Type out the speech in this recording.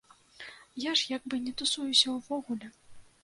Я ж як бы не тусуюся ўвогуле.